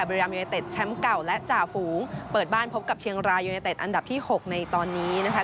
ริรามยูเนเต็ดแชมป์เก่าและจ่าฝูงเปิดบ้านพบกับเชียงรายยูเนเต็ดอันดับที่๖ในตอนนี้นะคะ